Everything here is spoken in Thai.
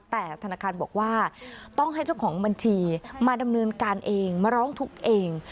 แต่ธนาคารบอกว่าต้องให้เจ้าของบัญชีมาดำเนินการเองมาร้องทุกข์เอง